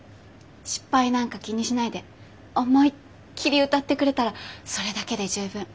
失敗なんか気にしないで思いっきり歌ってくれたらそれだけで十分。